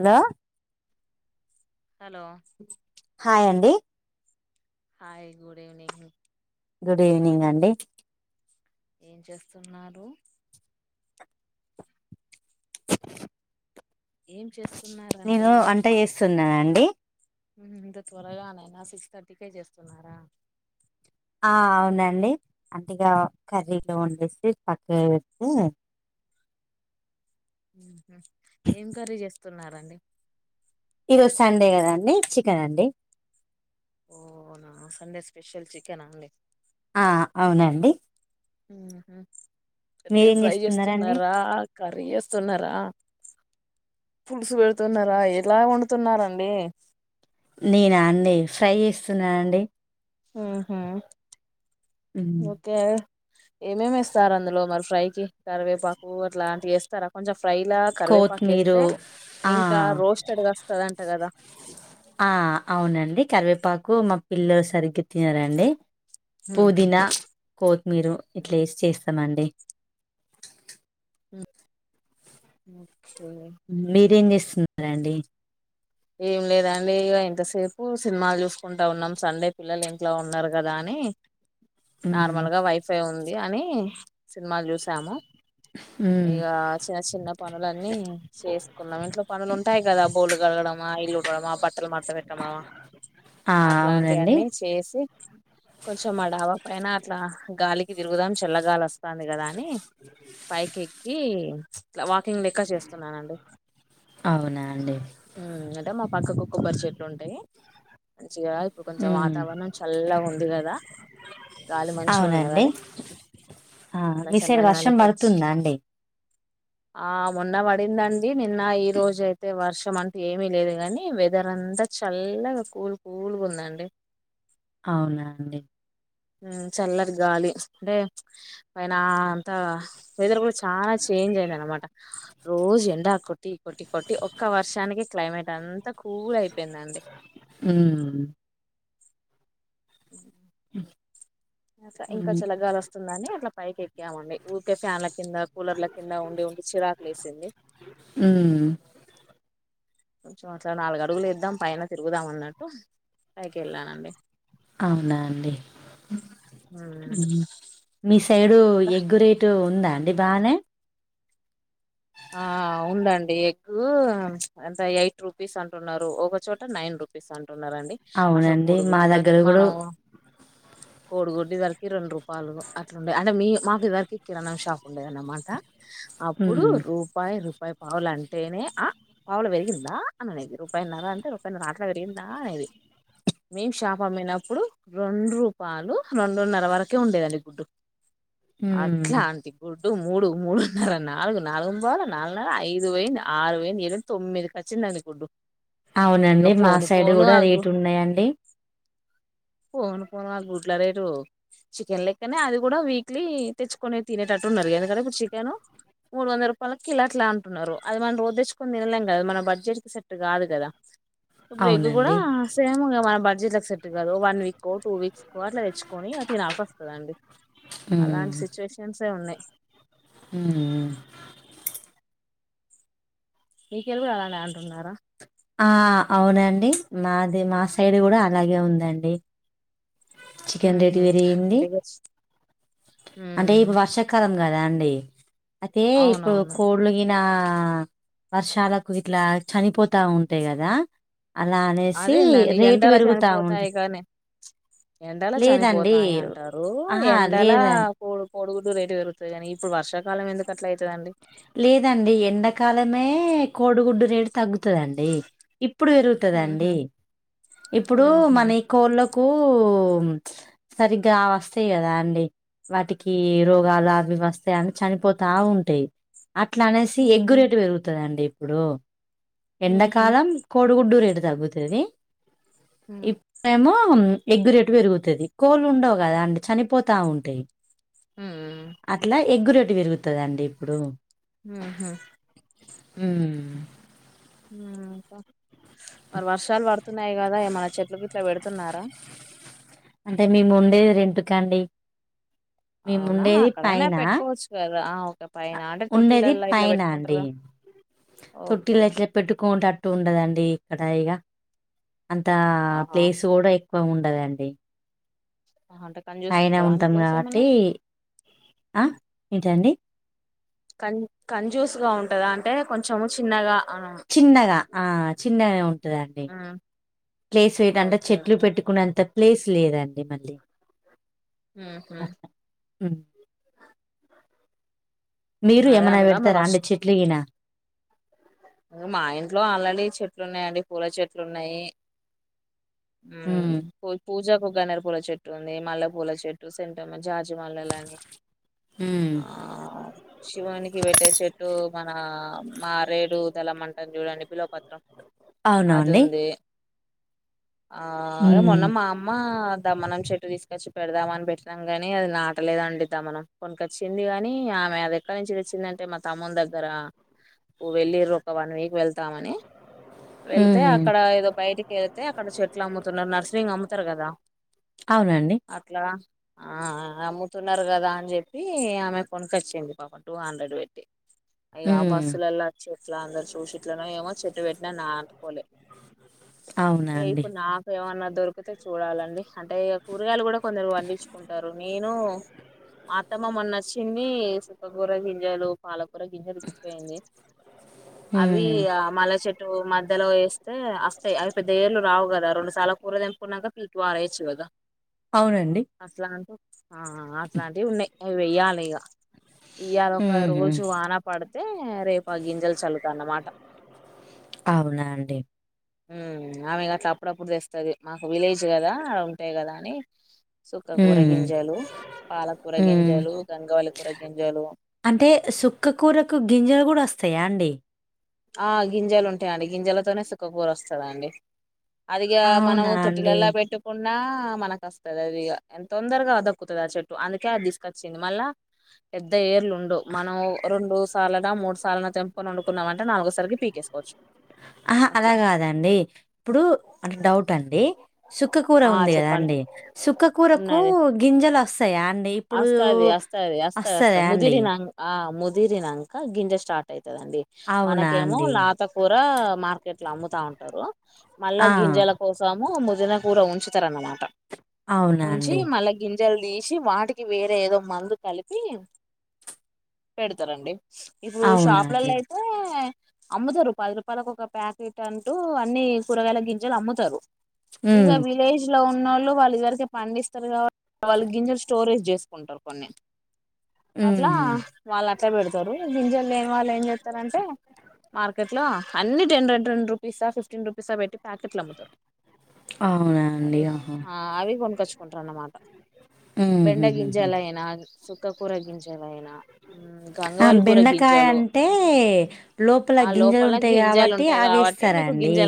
Hello, hello, hi, అండి. హా్, good, evening. Good, evening, అండి. ఏం, చేస్తున్నారు. ఏం చేస్త నేను, వంట, చేస్తున్నాను, అండి. ఇంత, త్వరగానైనా, సిక్సథర్టీకే, చేస్తున్నారా. ఆ, అవునండి, అట్టిగా, కర్రీలో, వండేసి, పక్కగా పెడితే, ఏం కరీ చేస్తున్నారంండి. ఈరోజు, సండే, కదండి. చికెన్ అండి. ఓనా సండే స్పెషల్ చికెన్ అండి. ఆ, అవునండి. ఉహు అద్దే మీరేం ఫ్రై చేస్తున్నారండి చేస్తున్నారా కరి స్తున్నార పులుసు పెడుతున్నారా ఎలా వండుతున్నారండి నేనా అండి ఫ్రై చేస్తున్నాను అండి ఉహు ఓకే ఏమేమిస్తారు అందులో మరి ఫ్రైకి కరివేపాకు అట్లాంటివి వేస్తారు కొంచెం ఫ్రై లా కరివేపాక కోత్మీరు వేస్తే ఆ ఇంకా రోస్టెడ్గా వస్తుందంట కదా ఆ అవునండి కరివేపాకు మా పిల్ల సరిగ్గా తినారండి ఉహు పుదీనా కొత్తిమీర ఇట్లా వేసి చేస్తామండి ఓకే మీరేం చేస్తున్నారాండి ఏం లేదండి ఇ ఇంతసేపు సినిమాలు చూసుకుంటా ఉన్నాం సండే పిల్లలు ఇంట్లో ఉన్నారు కదా అని ఉమ్ నార్మల్గా వైఫై ఉంది అని సినిమాలు చూసాము ఉమ్ ఇగా చిన్న చిన్న పనులన్నీ చేసుకున్నాం ఇంట్లో పనులు ఉంటాయి కదా బోలు కలగడం ఇల్లు ఉడడంమా బట్టలు మత పెట్టమనమా ఆ అట్లాంటి అవునండి అన్నీ చేసి కొంచెం ఆ డాబ పైన అట్లా గాలికి తిరుగుదాం చల్లగాలి వస్త వస్తుంది కదా అని పైక్ ఎక్కి వాకింగ్ లెక్క చేస్తున్నానండి అవునా అండి ఉహ్ అంటే మా పక్కకు కొబ్బరి చెట్లు ఉంటాయి మంచిగా ఇడు కొంచెం ఉమ్ వాతావరణం చల్ల ఉంది కదా గాలి మంచిగా అవునండి ఉన్నదని ఆ అట్లా మీ సైడ్ వర్షం చల్లగాలికి వచ్చి పడుతుందా అండి ఆ ఉన్న పడిందండి నిన్న ఈ రోజు అయితే వర్షం అంట ఏమి లేదు కాగాని వెదర్ అంతా చల్లగా కూల్ కూల్గా ఉందండి అవునా అండి చల్లరి గాలి అంటే పైన అంతా వెదర్ కూడా చాలా చేంజ్ అయింది అనమాట రోజు ఎండా కొట్టి కొట్టి కొట్టి ఒక్క వర్షానిక క్లైమేట్ అంతా కూల్ అయిపోయిందండి ఉహ్ మ్మ్ ఇంకా ఉమ్ చలగాలు వస్తుందని అట్లా పైకి ఎక్కామండి ఊరికే ఫ్యాన్ల కింద కూలర్ల కింద ఉండి ఉండి చిరా ప్లేసింది ఉమ్మ్ కొంచెం అట్లా నాలుగు అడుగులు ఇద్దాం పైన తిరుగుదాం అన్నట్టు పైకి వెళ్ళానండి అవునా అండి మీ సైడు ఇంకా ఎగ్గురేట్ ఇటు ఉందా అండి బాగానే ఆ ఉందండి ఎగ్ అంత ఎయిట్ రూపీస్ అంటున్నారు ఒకచోట నైన్ రూపీ రూపీస్ అంటున్నారండి అసలు అవునండి మా దగ్గర కూడా కోడిగుడ్డి రికి రెండు రూపాయలు అట్లుండే అంటే మీ మాకు ఇద్దరికి కిరాణం షాప్ ఉండేది అన్నమాట అప్పుడు ఉమ్ రూపాయి రూపాయి పావులు అంటేనే ఆ పావులు పెరిగిందా అనేది రూపాయన్నర అంటే రూపాయిన్నర అట్లా పెరిగిందా అనేది మేము షాప అమ్మినప్పుడు రెండు రూపాయలు రెండు నర వరకే ఉండేదండి గుడ్డు ఉమ్ అట్లా అంటి గుడ్డు మూడు మూడున్నర నాలుగు నాలుగు పోల నాలుగు నర ఐదు పోయింద్ ఆరు పోయింద్ ఏడు పోయింద్ తొమ్మిది కచ్చిందీ అనుకుంట అవునండి మా సైడ్ గూడా గు రేట్ ఉన్నాయండి. పోను పోను ఆ గుడ్ల రేటు చికెన్ లెక్కనే అది గూడా వీక్లీ తెచ్చుకొనే తినేటట్టు ఉన్నరు ఎందుకంటే ఇప్పుడు చికెన్ మూడు వందల రూపాయలకి కిలా అట్లా అంటున్నరు. అది మనం రోజు తెచ్చుకొని తినలేం గదా మన బడ్జెట్ కి సెట్ గాదు గదా ఇప్పుడు ఎగ్ గూడా అవునండి సేమ్ ఇగ మన బడ్జెట్ల కు సెట్ కాదు వన్ వీక్ వో టూ వీక్ తోట్ల తెచ్చుకొని తినాల్సొస్తదండీ. ఉమ్ అలాంటి సిచ్యువేషన్సే ఉన్నాయి. ఉమ్ మీకెల్లి గుడా అలానే అంటున్నారా. ఆ అవునండి మాది మా సైడ్ గూడా అలాగే ఉందండి. ఊ చికెన్ రేటు ఉ పెరిగింది అంతే గావచ్చు ఊ కదం గదా అండి అయితే ఇప్పుడు అవునవును కోట్ పులిగిన వర్షాలకు ఇట్లా చనిపోతా ఉంటాయి గదా! అలా అనేసి అదేందండి రేటు పెరుగుతా ఉం ఎండలా చనిపోతాయ అంటారు ఆహా ఎండలా లేదండి పోడు కోడుగుడ్లు రేటు పెరుగుతది గని ఇప్పుడు వర్షకాలం ఎందుకట్లా అయితదండి. లేదండి ఎండాకాలమే కోడిగుడ్డు రేటు తగ్గుతండి ఇప్పుడు ఉహు పెరుగుతుందండి. ఇప్పుడు ఉహు మని కోళ్ళకు సరిగ్గా అవి వస్తయి గదా అండి. వాటికి రోగాల అవి వస్తాయని చనిపోతా ఉంటాయి. అట్లా అనేసి ఉహు ఎగ్గురేటు పెరుగుతండీ ఇప్పుడు ఉహు ఎండాకాలం కోడుగుడ్డు రేటు తగ్గుతది ఉమ్ మేము ఎగ్గురేటు పెరుగుతది కోళ్ళు ఉండవు. కదా అండి చనిపోతా ఉంటాయి. ఉమ్ అట్లా ఎగ్గు రేటు పెరుగుతదండి ఇప్పుడు. ఊ ఉ ఊ ఊ ఇంకా మరి వర్షాలు బడుతున్నాయి గదా ఏమనా చెట్లు గిట్ల బెడుతున్నారా! అంటే మీ ముండేది రెంటుకండి అవునా మీముండేది అక్కడైనా పైన పెట్టుకోవచ్చు కదా ఓక పైన అంటే తొట్టి ఉండేది లలా ఇట్లా పైన పెట్టుకుంటార అండి కదా ఓకే పెట్టుకుంటట్టు ఉండదండి ఇక్కడ ఇగ అంత ఆహా ప్లేస్ గుడా తక్కువ ఉండదండి ఆ అంటక్ పైన ఉంటం కాబట్టి ఆ ఏంటండి. కన్ కన్ జూస్ గా ఉంటదా అంటే కొంచెము చిన్నగా ఆ చిన్నగా ఆ చిన్నగా ఉంటదండి. మ్మ్ ప్లేస్ వేట అంటే ఓకే చెట్లు ఓకే పెట్టుకునేంత ప్లేస్ లేదండి మళ్ళీ ఆ హ అట్లా హ్మ్. మీరు అదే ఏమన అంటున్నా మరి బెడతార వర్ష అండి చెట్లు గిన మా ఇంట్లో ఆల్రెడీ చెట్లు ఉన్నాయండి పూల చెట్లు ఉన్నయి. హ్మ్. ఊ పూ పూజకు గన్నేరు పూల చెట్టు ఉంది మల్ల పూల చెట్టు సెంట్ జాజి మల్లేలని హ్మ్. ఆ శివానికి పెట్టే చెట్టు మన మారేడు దళం అంటర్ జూడండి బిలోపతి అవునా అది అండి? ఉంది. ఆ ఏ హ్మ్. మొన్న మా అమ్మా! దమనం చెట్టు తీసుకొచ్చి పెడదామ అని పెట్టినాం గని అది నాటలేదండి. దమనం కొనికొచ్చింది కాని ఆమె అద ఏక్కడ నుంచి తెచ్చిందంటే మా తమ్ముని దగ్గర వెళ్ళిరూ ఒక వన్ వీక్ వెళ్తామని వెళ్తే హుహు. అక్కడ ఏదో బయటి కేళ్తే అక్కడ చెట్లు అమ్ముతున్నారు నర్సింగ్ అమ్ముతరు కదా అవునండి అట్లా ఆ అమ్ముతున్నారు కదా అని చెప్పి ఆమె కొనుకొచ్చింది పాపం టూ హండ్రెడ్ పెట్టి ఇగ ఆ హ్మ్. బస్సులల్ల అచ్చి ఇట్లా అందరు చూసిట్లనో ఏమో చెట్టు పెట్టిన నాటుకోలే అవునా అండి? ఇప్పుడు నాకు ఏమన్నా దొరికితే చూడాలండి అంటే ఇగ కూరగాయలు కూడా కొందరు వండించుకుంటారు నేను అత్తమ్మ మొన్న అచ్చింది సుక్కకూర గింజలు పాలకూర గింజలు ఇచ్చిపోయింది అవి హ్మ్. ఇగ మళ చెట్ ట్టు మధ్యలో ఏస్తే అస్తాయి అ పెద్ద ఏర్లు రావు కదా రెండు సార్ల కూర తెంపుకున్నాక పీకి పారేయచ్చు కదా అవునండి అట్లాంటివి ఆ అట్లాంటివి ఉన్నయి అవి వేయ్యాలి ఇగ ఇయాలా ఒక హుహు. రోజు వాన పడితే రేపు ఆ గింజలు చల్లుత అన్నమాట అవునా అండి ఆమె గట్లా అప్పుడప్పుడు తెస్తది మాకు విలేజ్ కదా ఉంటాయి కదా అని సుక్క కూర హ్మ్. గింజలు పాలకూర హ్మ్. గింజలు గంగావాయిలా కూర గింజలు అంటే సుక్కకూరకు గింజలు కూడా వస్తాయా అండి ఆ గింజలు ఉంటాయి అండి గింజలతోనే సుక్కకూర వస్తంది అండి అదిఇగా మనం అవునా అండి? తొట్టిలల్ల పెట్టు కున్న మనకు వస్తది అది తొందరగా దక్కుతది ఆ చెట్టు అందుకే అది తీసుకొచ్చింది మళ్ళా పెద్ద ఏర్లు డు మనం రెండు సార్లనా మూడు సార్లనా తెంపుకొని వండుకున్నాం అంటే నాలుగో సారికి పీకేసుకోవచ్చు ఆహా అలా అట్లా కాదండి ఇప్పుడు అట్ల్ డౌట్ అండి సుక్కకూర ఆ ఉంది కదా చెప్పండి అండి సుక్కకూరకు గింజలు వస్తాయా అండి ఇప్పుడు అస్తాది అస్తాది అస్తా అస్త అస్తదా అండి? ముదిరిన ఆ ఆ ముదిరినంక గింజె స్టార్ట్ అయితదండి అవునా మనకేమో అండి? లేత కూర మార్కెట్ లో అమ్ముత ఉంటారు మళ్ళా ఆ! గింజలక్ కోసము ముదిన కూర ఉంచుతారనమాట అవునా ఉంచి అండి? మళ్ళా గింజలు తీసి వాటికి వేరే ఏదో మందు కలిపి పెడతారండి ఇప్పుడు అవునా షాపులల్ల అండి? అ అమ్ముతరు పది రూపాయలకు ఒక ప్యాకెట్ అంటూ అన్ని కూరగాయలు గింజలు అమ్ముతరు ఇగో హ్మ్. విలేజ్ లో ఉన్నోళ్లు వాళ్ళు ఇదివరకే పండిస్తారు కాబట్టి వాళ్ళ గింజలు స్టోరేజ్ చేసుకుంటారు కొన్ని అట్లా హుహు. వాళ్ళు అట్లే పెడుతరు తరు గింజలు లేని వాళ్ళు ఏం చేస్తారంటే మార్కెట్ లా అన్ని టెన్ హండ్రెన్ రూపీసా ఫిఫ్టీన్ రూపీసా పెట్టి ప్యాకెట్లు అమ్ముతరు అవునా అండి? ఆహా! అవి కొనుకచుకుంటారు అన్నమాట బెండ హుహుహుహు. గింజలయినా సుక్క కూర గింజలయినా ఆ గంగవాళి కూర బెండకాయ గింజలు అంటే లోపల ఆ గింజలు లోపల ఉంటాయి కాబట్టి అవేస్ రు అండి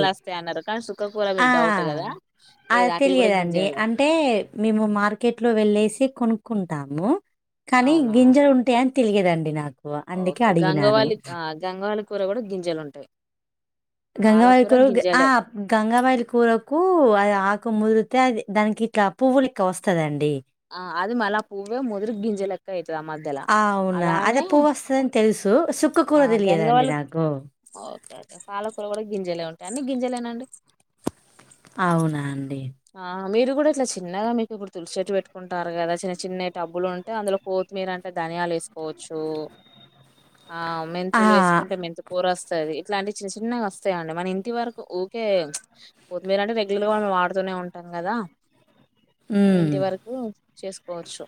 న్నరు కానీ సుక్క కూర ఆ! మీకు డౌట్ కదా ఆ! లేదా అటివి కూడా గింజే తెలియదండి. గా అంటే మేము మార్కెట్ లో వెళ్లేసి కొనుక్కుంటాము కానీ అవునా గింజ ఉ అంటే అని తిలిగేదండి నాకు అందుకే అడిగినను గంగవైలి కూర కూడా గింజలు ఉంటాయి పాలకూర గంగావయిలుకురకి గింజలే ఆ గంగావయిలి కూరకు అది ఆకు ముదిరితే అది దానికి ఇట్లా పువ్వులు లేక్క వస్తదండి ఆ అది మళ పూవే ముదురీ గింజ క్క అయితుది మధ్యల అవునా! అలానే అదే పువ్వొస్తదని తెలుసు. సుక్క ఆ కూర గంగ తెలియదండి వాళ్ళు నాకు. ఓకే ఓకే పాలకూర కూడా గింజలే ఉంటాయి అన్ని గింజలేనాండి అవునా అండి ఆ మీరు కూడా ఇట్లా చిన్నగా మీకు ఇప్పుడు తులసిట్టు పెట్టుకో కుంటారు కదా చిన్న చిన్నయి డబ్బులు ఉంటే అందులో కొత్తిమీర అంటే ధనియాలు వేసుకోవచ్చు ఆ ఆ! మెంతులు వేసుకుంటే మెంతు పోర వస్తాది ఇట్లాంటివి చిన్న చిన్నగా వస్తాయిండి మన ఇంటి వరకు ఊకే కొత్మిర అంటే రెగ్యులర్గా మనం వాడుతునే ఉంటాం కదా అవింటి హ్మ్. వరకు చేసుకోవచ్చు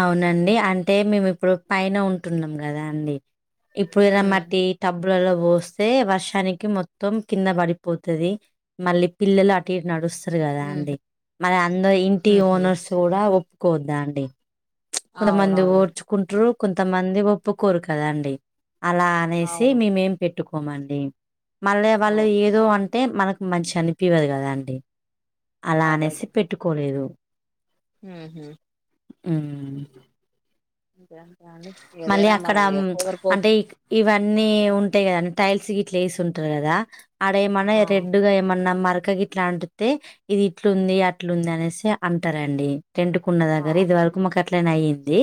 అవునండి అంటే మేము ఇప్పుడు పైన ఉంటున్నాం కదా అండి ఇప్పుడు ఎర్ర ఉమ్, మటి టబ్బులలో పోస్తే వర్షానికి మొత్తం కింద పడిపోతది మళ్ళీ పిల్లలు అటు ఇటు నడుస్తారు కదా ఉమ్, అండి మరి అందరు ఇంటి ఉహు, ఓనర్స్ కూడా ఒప్పుకోవద్దా అం డి కొంత మంది అవునవును ఓర్చు కుంటారు కొంతమంది ఒప్పుకోరు కదండి అలా అనేసి అవును మేమేం పెట్టుకోమండి మళ్ళ వాళ్ళు ఓకే ఏదో అంటే మనకి మంచిగా అనిపివ్వదు కదా అండి అలా అనేసి పెట్టుకోలేదు హహ అ అంతేంతే అండి మళ్ళీ ఏదైనా అక్కడ మనం హ్మ్, ఎవరి కోప్ అంటే ఇ- ఇవన్నీ ఉంటాయి కదాండి టైల్స్ ఇట్లా వేసి ఉంటారు కదా ఆడ ఏమన్నా ఆ రెడ్గా ఏమన్నా మరక గి ఇట్లా అంటితే ఇది ఇట్లుంది అట్లుంది అనేసి అంటారండి టెంట్ కున్న ఆ దగ్గర ఇది వరకు క్కుమ కట్లనే అయ్యింది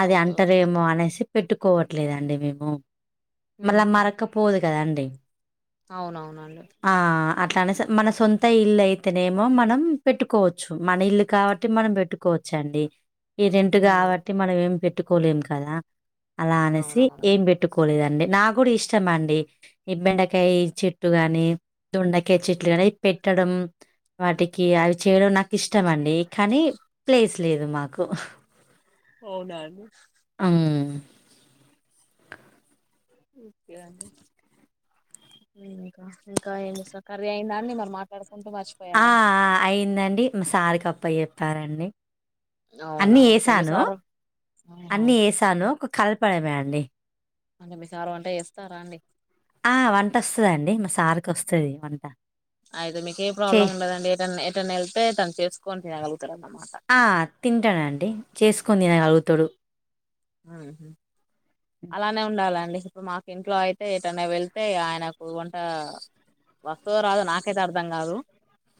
అది ఓకే ఓకే అంటరేమో అనేసి పెట్టుకోవట్లేదండి మేము మళ్ళా ఉహు మరొక పోదు కదా అండి అవునవునండి ఆ అట్లానే మన సొంత ఇల్లు అయితేనేమో మనం పెట్టుకోవచ్చు మన ఇల్లు కాబట్టి మనం పెట్టు కోచండి ఈ రెంట్ ఉమ్ కాబట్టి మనం ఏం పెట్టుకోలేం కదా అలా అనేసి అవునవును ఏం పె పట్టుకోలేదండి నా కూడా ఇష్టం అండి ఈ బెండకాయ చెట్టు గాని దుండకాయ చెట్లు గాని అది పెట్టడం వాటికి అవి చేయడం నాకు ఇష్టమండి కానీ ప్లేస్ లేదు మాకు అవునండి అమ్ ఓకే అండి ఇంకా ఇంకా ఏం చేస్తారు కర్రీ అయిిందాండి మరి మాట్లాడుకుంటూ మర్చి ఆ అయిందండి మా సారికప్ప చెప్పారండి అన్ని అవునా అంటే మీ వేసాను సారు ఆహా అన్ని వేసాను ఒక కలపడమే అండి అంటే మీ సారు వంట చేస్తారా అండి ఆ వంట వస్తదండి మా సార్కోస్తది వంట అయితే మీకు ఏ చే ప్రాబ్లం ఉండదండి ఎటన్న ఎటన్నా వెళ్తే తను చేసుకొని తినగలుగుతారన్నమాట, ఆ! తింటాడండి చేసుకుని తినగలుగుతాడు మ్మ్ అలానే ఉండాలండి ఇప్పుడు మాకు ఇంట్లో అయితే ఏటన్న వెళ్తే ఆయనకు వంట వస్తదో రాదో నాకైతే అర్ధం కాదు,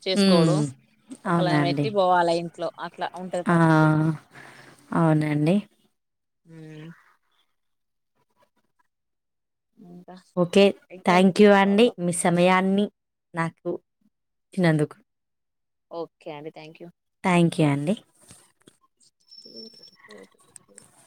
చేసుకోడు హ్మ్. ఒకళని అవునండి. పెట్టి పోవాలా ఇంట్లో అట్లా, ఉంటది ఆ పరిస్థితి అవునండి ఉమ్ ఇంకా ఓకే ఇంకేం థ్యాంక్యూ అండి చేస్తున్నారు మీ సమయాన్ని నాకు ఇచ్చినందుకు, ఓకే అండి థ్యాంక్యూ థ్యాంక్యూ అండి